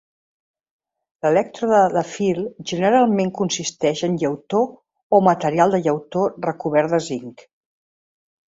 L'elèctrode de fil generalment consisteix en llautó o material de llautó recobert de zinc.